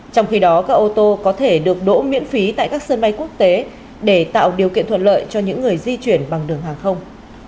trong khi đó các ô tô có thể được đỗ miễn phí tại các sân bay quốc tế để tạo điều kiện thuận lợi cho những người di chuyển bằng đường hàng không